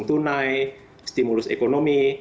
langsung tunai stimulus ekonomi